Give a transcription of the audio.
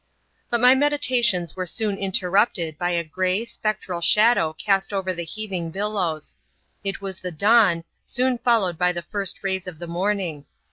But my meditations were soon interrupted by a grey, spec tral shadow cast over the heaving billows. It was the dawn, soon followed by the first rays of the morning.